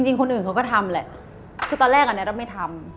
จริงคนอื่นเขาก็ทำแหละคือตอนแรกแน็ตอะไม่ทำ